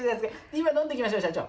今飲んどきましょう社長。